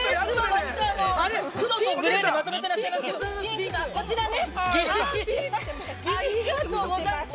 ◆黒とグレーでまとめてらっしゃいますけど、こちらね。